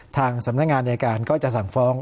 ทางสำนักงานในการก็จะสั่งฟ้อง